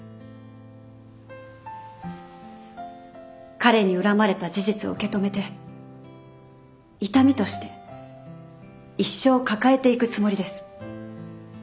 彼に恨まれた事実を受け止めて痛みとして一生抱えていくつもりです。